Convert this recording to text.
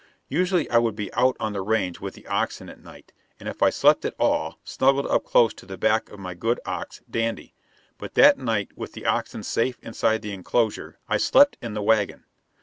] Usually I would be out on the range with the oxen at night, and if I slept at all, snuggled up close to the back of my good ox, Dandy; but that night, with the oxen safe inside the enclosure, I slept in the wagon.